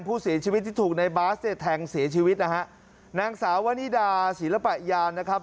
ผู้เสียชีวิตที่ถูกในบาสเนี่ยแทงเสียชีวิตนะฮะนางสาววนิดาศิลปะยานนะครับ